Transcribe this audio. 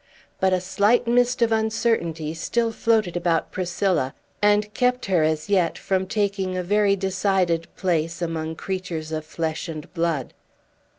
But a slight mist of uncertainty still floated about Priscilla, and kept her, as yet, from taking a very decided place among creatures of flesh and blood.